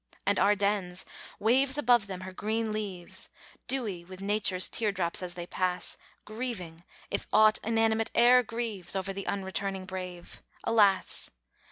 And Ardennes waves above them her green leaves, Dewy with Nature's tear drops, as they pass, Grieving, if aught inanimate e'er grieves, Over the unreturning brave, alas!